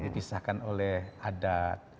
disahkan oleh adat